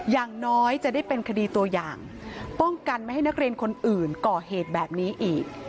อย่างน้อยจะได้เป็นคดีตัวอย่างป้องกันไม่ให้นักเรียนคนอื่นก่อเหตุแบบนี้อีก